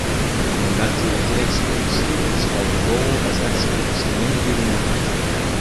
In Mantle of the Expert, students are in-role as experts in any given area.